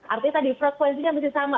artinya tadi frekuensinya mesti sama